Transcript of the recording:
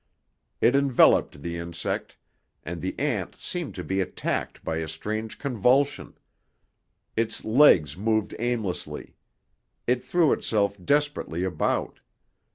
It enveloped the insect and the ant seemed to be attacked by a strange convulsion. Its legs moved aimlessly. It threw itself desperately about.